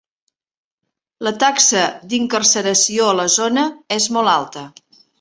La taxa d'incarceració a la zona és molt alta.